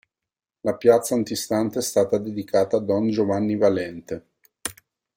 La piazza antistante è stata dedicata a don Giovanni Valente.